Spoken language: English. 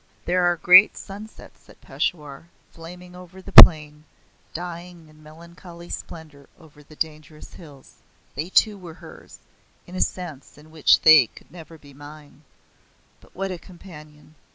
There are great sunsets at Peshawar, flaming over the plain, dying in melancholy splendour over the dangerous hills. They too were hers, in a sense in which they could never be mine. But what a companion!